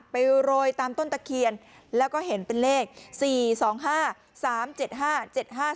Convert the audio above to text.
โรยตามต้นตะเคียนแล้วก็เห็นเป็นเลขสี่สองห้าสามเจ็ดห้าเจ็ดห้า